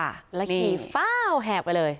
แล้วขี่ฟ้าวแหบไปเลย